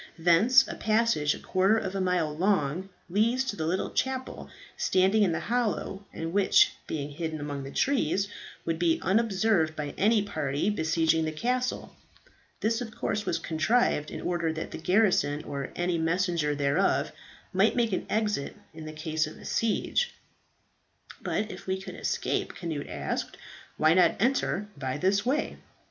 Thence a passage a quarter of a mile long leads to the little chapel standing in the hollow, and which, being hidden among the trees, would be unobserved by any party besieging the castle. This of course was contrived in order that the garrison, or any messenger thereof, might make an exit in case of siege." "But if we could escape," Cnut asked, "why not enter by this way?"